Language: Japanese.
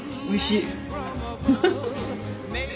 おいしいね。